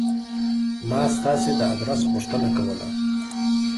ما ستاسې د آدرس غوښتنه کوله.